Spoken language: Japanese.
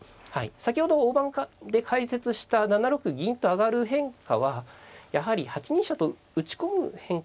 先ほど大盤で解説した７六銀と上がる変化はやはり８ニ飛車と打ち込む変化がですね